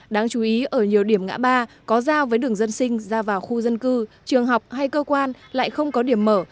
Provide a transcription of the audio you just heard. đáng chú ý ở nhiều điểm ngã ba có giao với đường dân sinh ra vào khu dân cư trường học hay cơ quan lại không có điểm mở